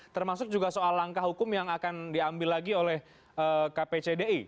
termasuk juga soal langkah hukum yang akan diambil lagi oleh kpcdi